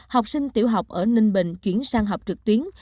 học sinh tiểu học ở ninh bình chuyển sang học trực tuyến